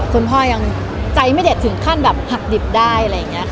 คุณพ่อยังใจไม่ได้ถึงขั้นแบบหักดีบได้